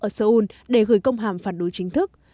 ở seoul để gửi công hàm phản đối chính thức